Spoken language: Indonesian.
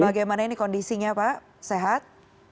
bagaimana ini kondisinya pak sehat